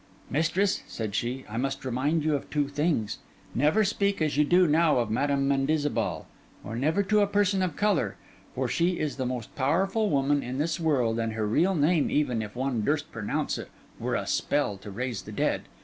'Mistress,' said she, 'I must remind you of two things. Never speak as you do now of Madam Mendizabal; or never to a person of colour; for she is the most powerful woman in this world, and her real name even, if one durst pronounce it, were a spell to raise the dead.